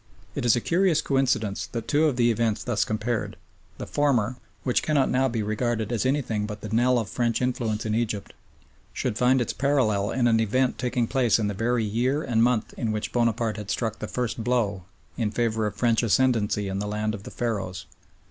It is a curious coincidence that of the two events thus compared, the former, which cannot now be regarded as anything but the knell of French influence in Egypt, should find its parallel in an event taking place in the very year and month in which Bonaparte had struck the first blow in favour of French ascendancy in the land of the Pharaohs.